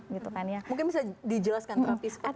mungkin bisa dijelaskan terapi seperti apa